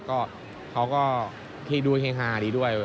ก็เขาก็ที่ดูเฮฮาดีด้วย